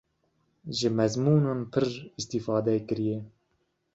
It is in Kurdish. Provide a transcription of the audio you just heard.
ji mezmûnan pir îstîfade kiriye.